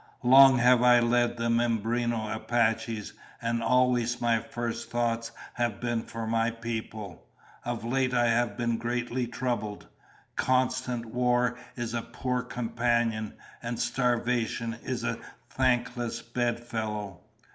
"Long have I led the Mimbreno Apaches, and always my first thoughts have been for my people. Of late I have been greatly troubled. Constant war is a poor companion, and starvation is a thankless bedfellow.